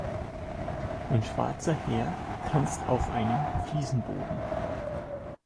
Ein schwarzer Herr tanzt auf einem Fliesenboden.